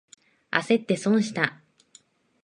あせって損した。